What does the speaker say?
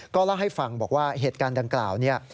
เล่าให้ฟังบอกว่าเหตุการณ์ดังกล่าวเนี่ย